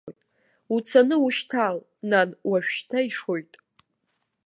Уцаны ушьҭал, нан, уажәшьҭа ишоит.